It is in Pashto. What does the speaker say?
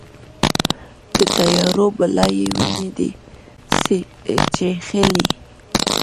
د تیارو بلا یې وینې دي چیښلې